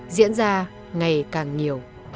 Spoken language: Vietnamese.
diễn ra ngày càng nhiều